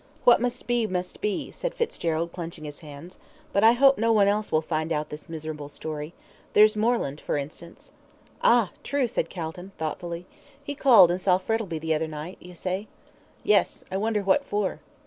"What must be, must be," said Fitzgerald, clenching his hands. "But I hope no one else will find out this miserable story. There's Moreland, for instance." "Ah, true!" said Calton, thoughtfully. "He called and saw Frettlby the other night, you say?" "Yes. I wonder what for?"